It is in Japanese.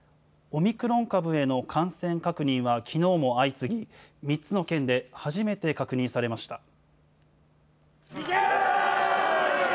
オミクロン株への感染確認はきのうも相次ぎ、３つの県で初めて確認されました。